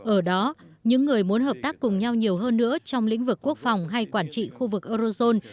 ở đó những người muốn hợp tác cùng nhau nhiều hơn nữa trong lĩnh vực quốc phòng hay quản trị khu vực eurozone